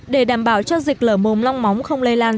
để đảm bảo cho dịch lở mồm long móng không lây lan